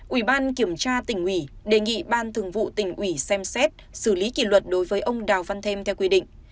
ủy ban kiểm tra tỉnh ủy đề nghị ban thường vụ tỉnh ủy xem xét xử lý kỷ luật đối với ông đào văn thêm theo quy định